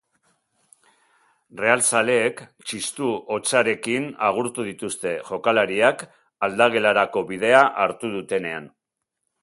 Realzaleek txistu hotsarekin agurtu dituzte jokalariak aldagelarako bidea hartu dutenean.